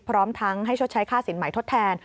พร้อมทั้งให้ชดใช้ค่าสินใหม่ทดแทน